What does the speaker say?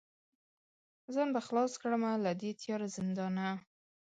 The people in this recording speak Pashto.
ځان به خلاص کړمه له دې تیاره زندانه